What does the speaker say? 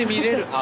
あ。